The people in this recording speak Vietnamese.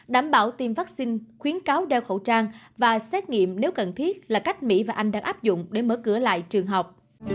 đảm bảo tiêm vaccine khuyến cáo đeo khẩu trang và xét nghiệm nếu cần thiết là cách mỹ và anh đang áp dụng để mở cửa lại trường học